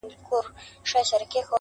دلته خواران ټوله وي دلته ليوني ورانوي~